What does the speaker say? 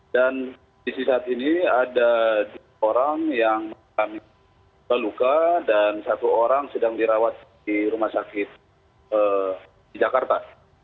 dan di sisa ini ada enam orang yang terluka dan satu orang sedang dirawat di rumah sakit di jakarta